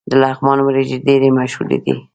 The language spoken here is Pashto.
د لغمان وریجې ډیرې مشهورې دي.